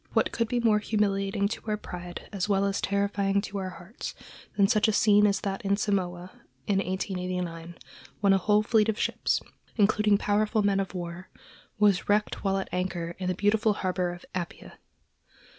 What could be more humiliating to our pride, as well as terrifying to our hearts, than such a scene as that at Samoa, in 1889, when a whole fleet of ships, including powerful men of war, was wrecked while at anchor in the beautiful harbor of Apia.